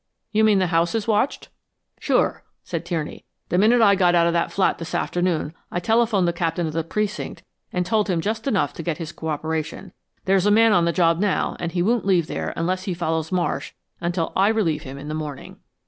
"You mean the house is watched?" "Sure," said Tierney. "The minute I got out of the flat this afternoon I telephoned the captain of the precinct and told him just enough to get his co operation. There's a man on the job now and he won't leave there, unless he follows Marsh, until I relieve him in the morning."